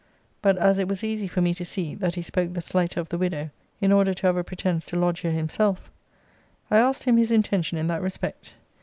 But as it was easy for me to see, that he spoke the slighter of the widow, in order to have a pretence to lodge here himself, I asked him his intention in that respect.